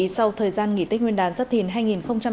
sau thời gian nghỉ tích nguyên đán giáp thiền hai nghìn hai mươi bốn